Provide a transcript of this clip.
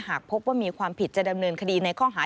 หากพบว่ามีความผิดจะดำเนินคดีในข้อหา